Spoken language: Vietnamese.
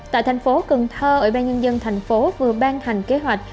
tại thành phố cần thơ ủy ban nhân dân thành phố vừa ban hành kế hoạch